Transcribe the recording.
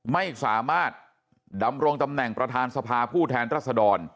ไม่สามารถดำรงตำแหน่งประธานสภาผู้แทนรัศดร